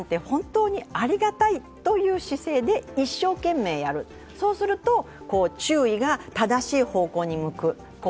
本当にありがたいという姿勢で一生懸命やる、そうすると、注意が正しい方向に向く。